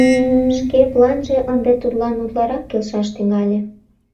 Шке планже ынде тудлан утларак келшаш тӱҥале.